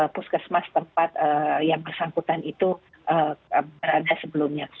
puskesmas tempat yang bersangkutan itu berada sebelumnya